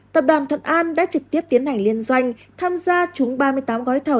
tập đoàn thuận an đã trực tiếp tiến hành liên doanh tham gia trúng ba mươi tám gói thầu